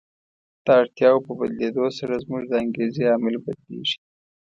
د اړتیاوو په بدلېدو سره زموږ د انګېزې عامل بدلیږي.